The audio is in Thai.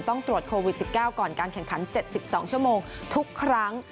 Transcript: ต้องตรวจโควิด๑๙ก่อนการแข่งขัน๗๒ชั่วโมงทุกครั้ง